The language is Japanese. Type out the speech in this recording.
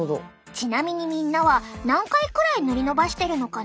ちなみにみんなは何回くらい塗り伸ばしてるのかな？